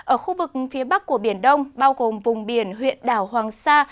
ở khu vực phía bắc của biển đông bao gồm vùng biển huyện đảo hoàng sa